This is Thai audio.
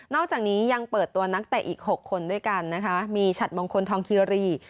อกจากนี้ยังเปิดตัวนักเตะอีก๖คนด้วยกันนะคะมีฉัดมงคลทองคิรี